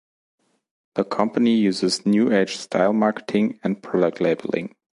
The company uses "New Age"-style marketing and product labeling.